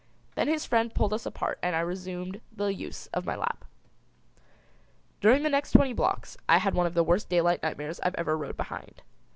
Then his friend pulled us apart and I resumed the use of my lap. During the next twenty blocks I had one of the worst daylight nightmares I ever rode behind.